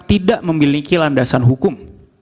tidak memiliki landasan hukum